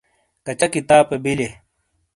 کچا کتاپے بیلئیے؟